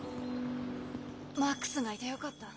「マックスがいてよかった」。